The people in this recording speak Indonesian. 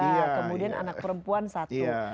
kemudian anak perempuan satu